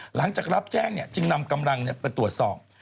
หลังจากรับแจ้งจึงนำกำลังไปตรวจสอบ